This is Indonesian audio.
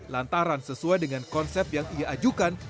lantaran sesuai dengan konsep yang ia ajukan